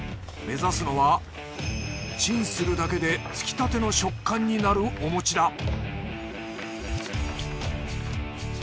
目指すのはチンするだけでつきたての食感になるお餅だ